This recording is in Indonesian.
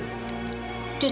memangnya siapa cucu ibu